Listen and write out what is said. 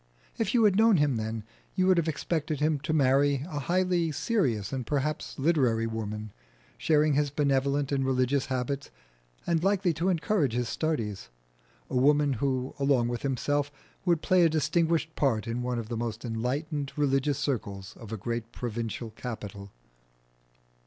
If you had known him then you would have expected him to marry a highly serious and perhaps literary woman, sharing his benevolent and religious habits, and likely to encourage his studies a woman who along with himself would play a distinguished part in one of the most enlightened religious circles of a great provincial capital.